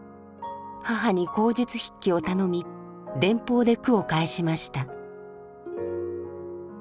母に口述筆記を頼み電報で句を返しました。